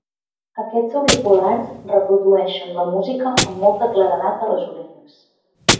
Aquests auriculars reprodueixen la música amb molta claredat a les orelles.